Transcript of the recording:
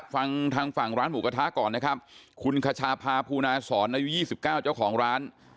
ฟังทางฝั่งร้านหมูกระทะก่อนนะครับคุณคชาพาภูนาศรอายุ๒๙เจ้าของร้าน